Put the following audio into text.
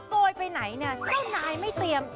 ที่โกยไปไหนเจ้านายไม่เตรียม